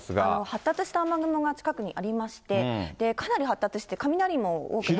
発達した雨雲が近くにありまして、かなり発達して、雷も多くなってます。